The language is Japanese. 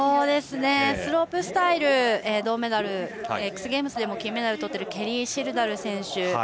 スロープスタイル銅メダルＸＧＡＭＥＳでも金メダルをとっているケリー・シルダル選手